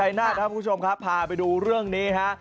หน้าครับคุณผู้ชมครับพาไปดูเรื่องนี้ฮะ